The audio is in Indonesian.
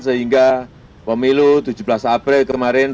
sehingga pemilu tujuh belas april kemarin